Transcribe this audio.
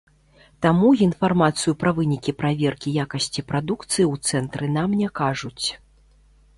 Таму інфармацыю пра вынікі праверкі якасці прадукцыі ў цэнтры нам не кажуць.